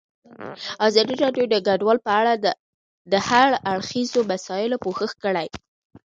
ازادي راډیو د کډوال په اړه د هر اړخیزو مسایلو پوښښ کړی.